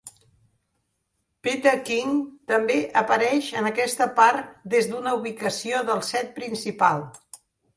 Peter King també apareix en aquesta part des d'una ubicació del set principal.